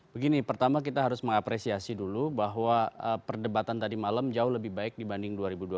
begini pertama kita harus mengapresiasi dulu bahwa perdebatan tadi malam jauh lebih baik dibanding dua ribu dua puluh